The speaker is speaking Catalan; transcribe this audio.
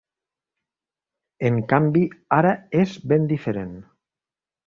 En canvi ara és ben diferent.